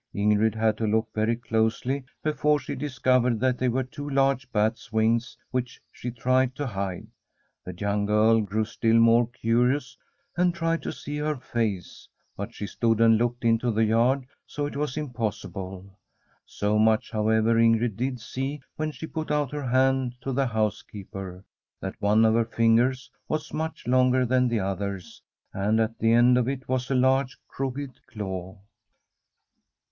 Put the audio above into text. Ingrid had to look very closely before she discovered that they were two large bat's wings which she tried to hide. The young girl grew still more curious and tried to see her face^ but she stood and loolqsd into the yard, so it was impossible. So much, however, Ingrid did see when she put out her hand to the housekeeper — ^that one of her fingers was much longer than the others, and at the end of it was a large, crooked claw.